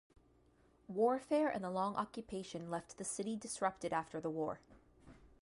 Warfare and the long occupation left the city disrupted after the war.